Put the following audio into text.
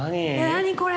何これ？